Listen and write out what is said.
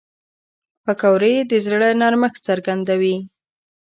پکورې د زړه نرمښت څرګندوي